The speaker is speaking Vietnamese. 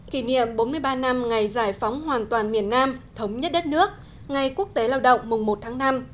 kỷ niệm bốn mươi ba năm ngày giải phóng hoàn toàn miền nam thống nhất đất nước ngày quốc tế lao động mùng một tháng năm